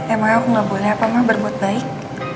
emang aku gak boleh apa emang berbuat baik